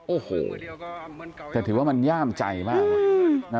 โอ้โหแต่ถือว่ามันย่ามใจมาก